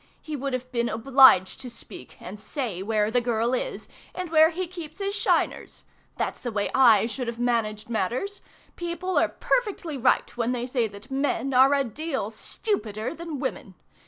He would have been obliged to speak, and say where the girl is, and where he keeps his shiners! That's the way I should have managed matters! People are perfectly right when they say that men are a deal stupider than women!